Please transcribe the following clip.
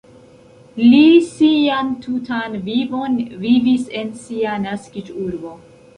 Li sian tutan vivon vivis en sia naskiĝurbo.